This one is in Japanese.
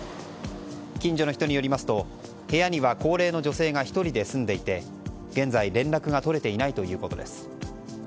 近所の人によりますと部屋には高齢の女性が１人で住んでいて現在、連絡が取れていないということです。